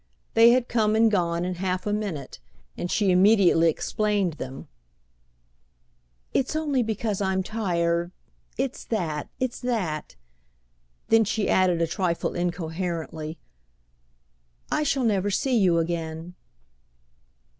They had come and gone in half a minute, and she immediately explained them. "It's only because I'm tired. It's that—it's that!" Then she added a trifle incoherently: "I shall never see you again."